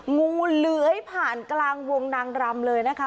งูเหลือยผ่านกลางวงนางรำเลยนะคะ